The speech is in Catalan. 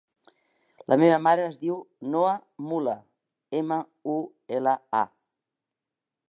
La meva mare es diu Noha Mula: ema, u, ela, a.